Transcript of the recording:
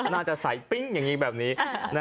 น่าจะใส่ปิ๊งอย่างนี้แบบนี้